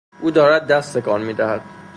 او دارد دست تکان میدهد.